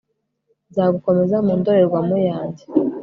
nzagukomeza mu ndorerwamo yanjye